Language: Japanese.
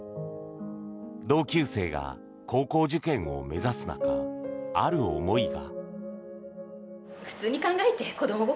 同級生が高校受験を目指す中ある思いが。